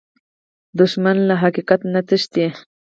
دښمن له حقیقت نه تښتي